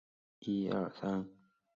凡人口变化图示